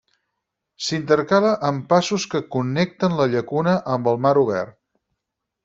S'intercala amb passos que connecten la llacuna amb el mar obert.